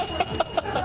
ハハハハ！